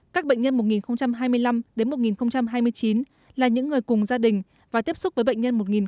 các bệnh nhân một hai mươi năm đến một hai mươi chín là những người cùng gia đình và tiếp xúc với bệnh nhân một một mươi bảy